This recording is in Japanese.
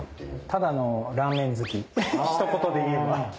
ただのラーメン好き一言で言えば。